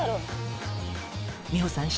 美穂さん。